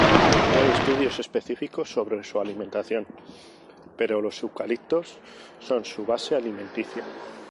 No hay estudios específicos sobre su alimentación, pero los eucaliptos son su base alimenticia.